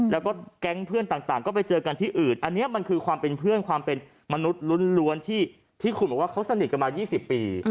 แล้วก็แก๊งเพื่อนต่างก็ไปเจอกันที่อื่นอันนี้มันคือความเป็นเพื่อนความเป็นมนุษย์ล้วนที่คุณบอกว่าเขาสนิทกันมา๒๐ปี